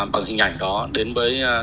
bằng hình ảnh đó đến với